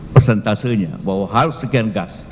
persentasenya bahwa harus sekian gas